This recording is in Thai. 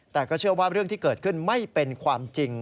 แต่ก็เชื่อว่าเรื่องที่เกิดขึ้นไม่เป็นความจริง